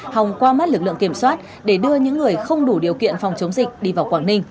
hòng qua mắt lực lượng kiểm soát để đưa những người không đủ điều kiện phòng chống dịch đi vào quảng ninh